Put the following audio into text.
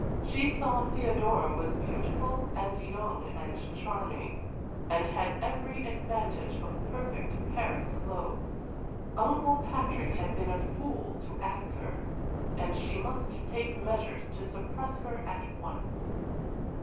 She saw Theodora was beautiful and young and charming, and had every advantage of perfect Paris clothes. Uncle Patrick had been a fool to ask her, and she must take measures to suppress her at once.